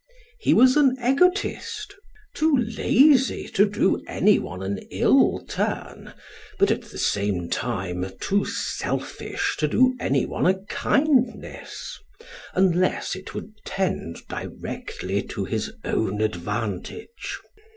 He was an egotist, too lazy to do any one an ill turn, but at the same time too selfish to do any one a kindness, unless it would tend directly to his own advantage.